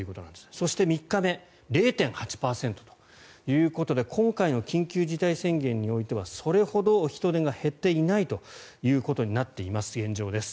そして３日目０．８％ということで今回の緊急事態宣言においてはそれほど人出が減っていないということになっている現状です。